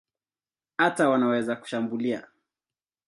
Hata wanaweza kushambulia.